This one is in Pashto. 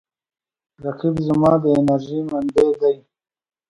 رقیب زما د انرژۍ منبع دی